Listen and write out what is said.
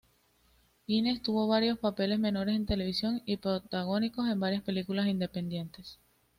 Hines tuvo varios papeles menores en televisión y protagónicos en varias películas independientes.